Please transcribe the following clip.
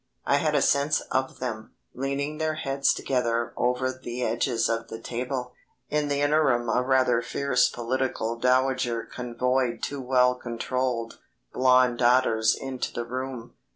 I had a sense of them, leaning their heads together over the edges of the table. In the interim a rather fierce political dowager convoyed two well controlled, blond daughters into the room.